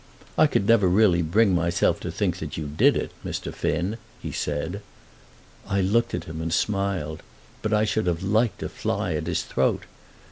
"I never could really bring myself to think that you did it, Mr. Finn," he said. I looked at him and smiled, but I should have liked to fly at his throat.